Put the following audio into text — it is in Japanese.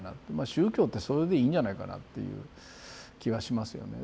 宗教ってそれでいいんじゃないかなっていう気はしますよね。